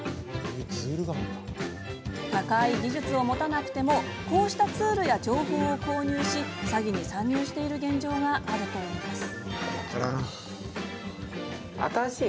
高い技術を持たなくてもこうしたツールや情報を購入し詐欺に参入している現状があるといいます。